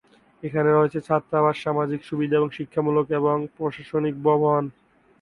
এখানে রয়েছে ছাত্রাবাস, সামাজিক সুবিধা এবং শিক্ষামূলক এবং প্রশাসনিক ভবন।